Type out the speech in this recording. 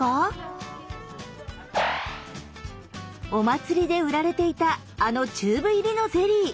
お祭りで売られていたあのチューブ入りのゼリー。